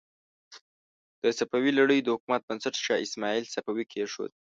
د صفوي لړۍ د حکومت بنسټ شاه اسماعیل صفوي کېښود.